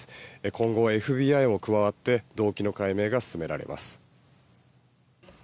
今後はＦＢＩも加わって動機の解明が進められます。